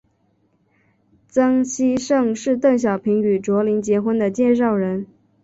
曾希圣是邓小平与卓琳结婚的介绍人。